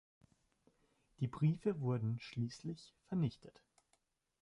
Die Briefe wurden schließlich vernichtet.